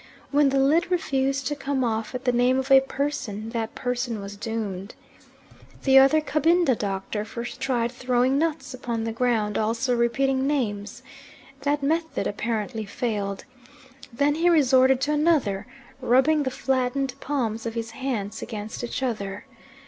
When the lid refused to come off at the name of a person, that person was doomed. The other Cabinda doctor first tried throwing nuts upon the ground, also repeating names. That method apparently failed. Then he resorted to another, rubbing the flattened palms of his hands against each other.